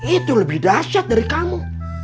itu lebih dahsyat dari kamu